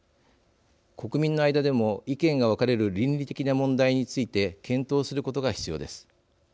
国民の間でも意見が分かれる倫理的な問題について検討することが必要です。